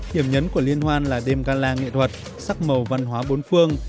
điểm nhấn của liên hoan là đêm gala nghệ thuật sắc màu văn hóa bốn phương